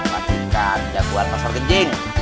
dan obtek jangan keluar masar genjing